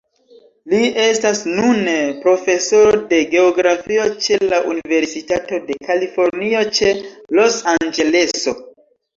Li estas nune Profesoro de Geografio ĉe la Universitato de Kalifornio ĉe Los-Anĝeleso.